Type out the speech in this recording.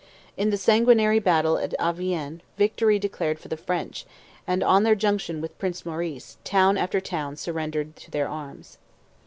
In the sanguinary battle at Avien victory declared for the French, and on their junction with Prince Maurice, town after town surrendered to their arms.